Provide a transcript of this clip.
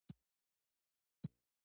زړورتیا د روح ښکلا ده.